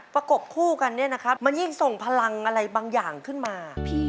ประกบคู่กันมันยิ่งส่งพลังอะไรบางอย่างขึ้นมา